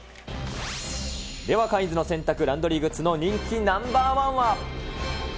ではカインズの洗濯・ランドリーグッズの人気ナンバー１は？